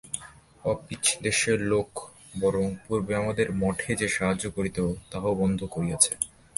Office দেশের লোক বরং পূর্বে আমাদের মঠে যে সাহায্য করিত, তাহাও বন্ধ করিয়াছে।